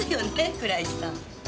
倉石さん。